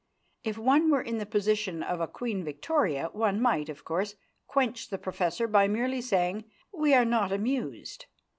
If one were in the position of a Queen Victoria, one might, of course, quench the professor by merely saying: "We are not amused."